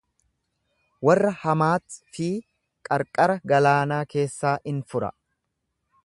Warra Hamaat fi qarqara galaanaa keessaa in fura.